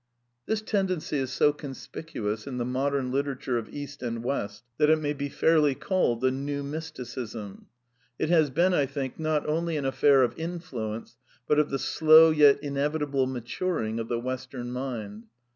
This tendency is so conspicuous in the modem literature of East and West, that it may be fairly called the New Mysticism. It has been, I think, not only an affair of in fluence, but of the slow yet inevitable maturing of the West em mind.